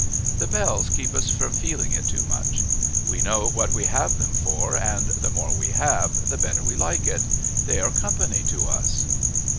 The bells keep us from feeling it too much. We know what we have them for, and the more we have the better we like it. They are company to us."